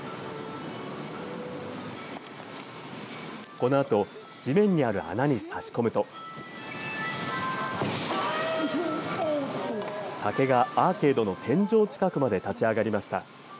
このあと地面にある穴に差し込むと竹がアーケードの天井近くまで立ち上がりました。